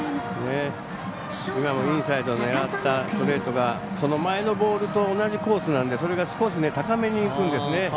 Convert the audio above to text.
今もインサイド狙ったストレートがその前のボールと同じコースなんでそれが少し高めに浮くんですね。